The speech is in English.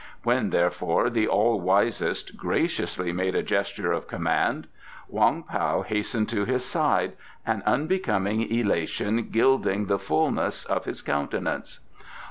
When, therefore, the all wisest graciously made a gesture of command, Wong Pao hastened to his side, an unbecoming elation gilding the fullness of his countenance.